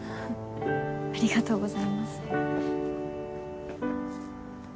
ありがとうございます。